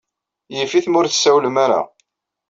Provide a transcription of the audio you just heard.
Yif-it ma ur tessawlem ara.